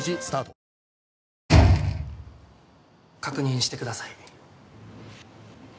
確認してください